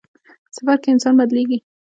سفر کې انسان بدلېږي.